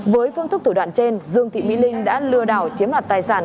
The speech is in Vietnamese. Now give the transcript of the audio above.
với phương thức thủ đoạn trên dương thị mỹ linh đã lừa đảo chiếm đoạt tài sản